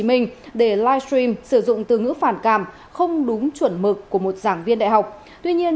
minh để livestream sử dụng từ ngữ phản cảm không đúng chuẩn mực của một giảng viên đại học tuy nhiên